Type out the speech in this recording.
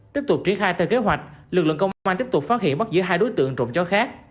tiếp tục triển khai theo kế hoạch lực lượng công an tiếp tục phát hiện bắt giữ hai đối tượng trộm chó khác